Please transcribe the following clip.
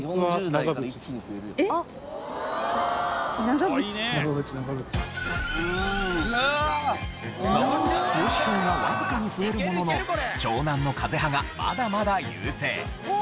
長渕剛票がわずかに増えるものの湘南乃風派がまだまだ優勢。